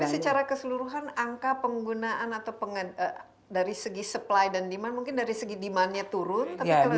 tapi secara keseluruhan angka penggunaan atau dari segi supply dan demand mungkin dari segi demandnya turun